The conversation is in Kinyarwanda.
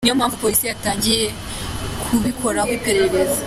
Niyo mpamvu polisi yatangiye kubikoraho iperereza .